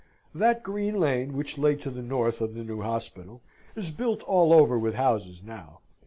That Green Lane, which lay to the north of the new hospital, is built all over with houses now.